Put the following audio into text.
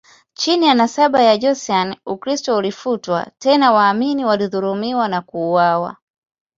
Chini ya nasaba ya Joseon, Ukristo ulifutwa, tena waamini walidhulumiwa na kuuawa.